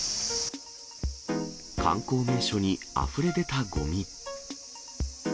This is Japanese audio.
観光名所にあふれ出たごみ。